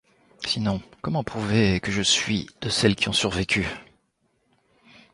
Sinon, comment prouver que je suis de celles qui ont vécu ?